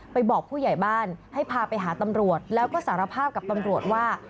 บอกผู้ใหญ่บ้านให้พาไปหาตำรวจแล้วก็สารภาพกับตำรวจว่า